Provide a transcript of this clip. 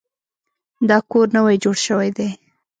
دا کور نوی جوړ شوی دی.